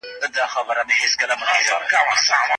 ماشومان اوس ښوونځي ته ځي.